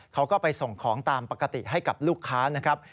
เขาก็ไปส่งของตามปกติให้กับลูกค้านะครับ